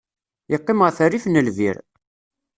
Yeqqim ɣef rrif n lbir.